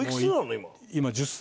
今１０歳。